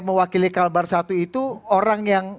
mewakili kalbar satu itu orang yang